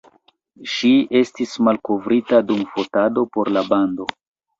Ŝi estis malkovrita dum fotado por la bando.